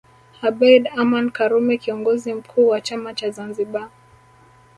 Abeid Aman Karume Kiongozi mkuu wa chama cha Zanzibar